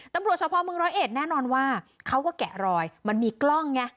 ตำรวจสภเมืองร้อยเอ็ดแน่นอนว่าเขาก็แกะรอยมันมีกล้องไง